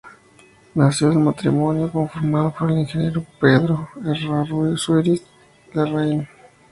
Nació del matrimonio conformado por el ingeniero Pedro Errázuriz Larraín y Marta Ossa Ruiz.